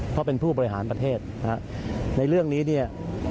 เพราะเป็นผู้บริหารประเทศนะฮะในเรื่องนี้เนี่ย